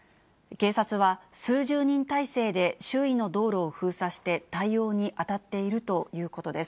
警察は数十人態勢で周囲の道路を封鎖して対応に当たっているということです。